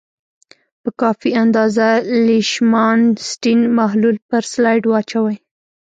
په کافي اندازه لیشمان سټین محلول پر سلایډ واچوئ.